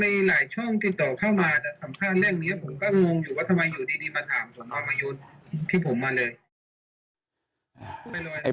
หลายช่องติดต่อเข้ามาจะสัมภาษณ์เรื่องนี้ผมก็งงอยู่ว่าทำไมอยู่ดีมาถามสนประยุทธ์ที่ผมมาเลย